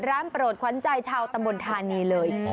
ร้านโปรดความใจชาวตัมบลธานีเลย